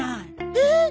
えっ！？